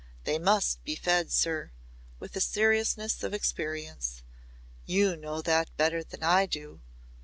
They must be fed, sir," with the seriousness of experience. "You know that better than I do."